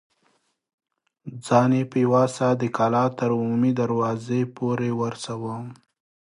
ځان يې په يوه سا د کلا تر عمومي دروازې پورې ورساوه.